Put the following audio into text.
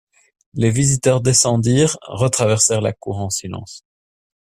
Les visiteurs descendirent, retraversèrent la cour en silence.